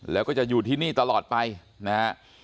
แล้วก็จะอยู่ที่นี่ตลอดไปนะฮะ